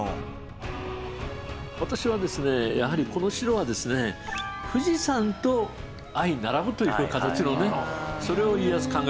私はですねやはりこの白はですね富士山と相並ぶという形のねそれを家康考えたんじゃないかと。